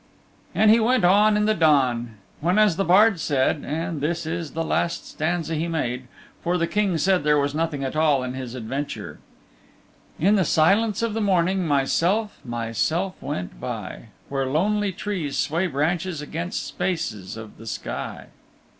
And he went on in the dawn, when as the bard said (and this is the last stanza he made, for the King said there was nothing at all in his adventure): In the silence of the morning Myself, myself went by, Where lonely trees sway branches Against spaces of the sky.